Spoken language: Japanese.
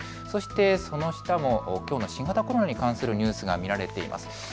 そしてその下もきょうの新型コロナに関するニュースが見られています。